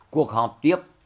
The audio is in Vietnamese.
cuộc họp tiếp